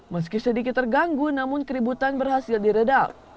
meski sedikit terganggu namun keributan berhasil diredam